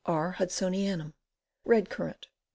R. Hudsonianum. Red Currant.